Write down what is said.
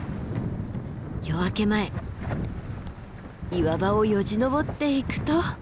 夜明け前岩場をよじ登っていくと。